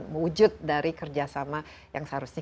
wujud dari kerjasama yang seharusnya